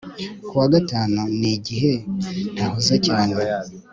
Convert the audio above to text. Ku wa gatanu ni igihe ntahuze cyane